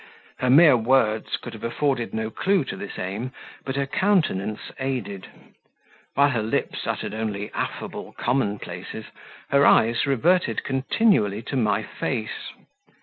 Her mere words could have afforded no clue to this aim, but her countenance aided; while her lips uttered only affable commonplaces, her eyes reverted continually to my face.